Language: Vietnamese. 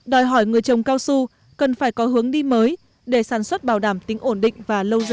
đòi hỏi người trồng cao su cần phải có hướng đi mới để sản xuất bảo đảm tính ổn định và lâu dài